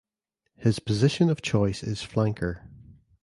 His position of choice is flanker.